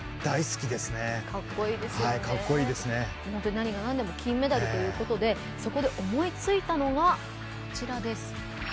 何がなんでも金メダルということでそこで思いついたのがこちらです。